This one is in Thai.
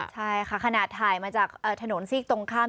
ใช่ค่ะขนาดถ่ายมาจากถนนซีกตรงข้าม